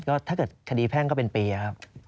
ก็ถ้าเกิดคดีแพ่งก็เป็นปีครับ